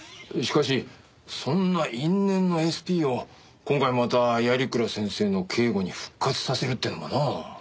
しかしそんな因縁のＳＰを今回また鑓鞍先生の警護に復活させるってのもなあ。